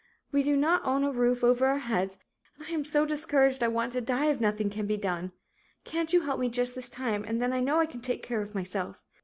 We do not own a roof over our heads and I am so discouraged I want to die if nothing can be done. Can't you help me just this time and then I know I can take care of myself.